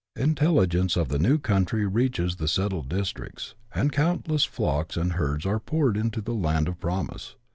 Intelligence of the new country reaches the settled districts, and countless flocks and herds are poured into the land of promise.